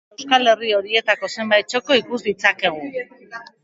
Gainera, euskal herri horietako zenbait txoko ikus ditzakegu.